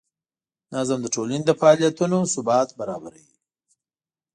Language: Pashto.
نظم د ټولنې د فعالیتونو ثبات برابروي.